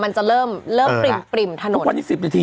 มันจะเริ่มเอออะเริ่มปริ่มทะนดต้องควร๒๐นาที